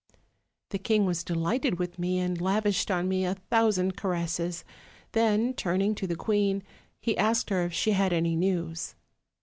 "The king was delighted with me, and lavished on me a thousand caresses; then, turning to the queen, he asked her if she had any news.